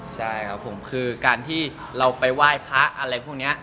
ใช่ครับผมคือการที่เราไปไหว้พระอะไรพวกนี้